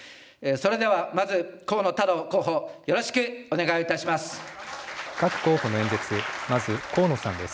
それではまず河野太郎候補、よろしくお願いをいたします。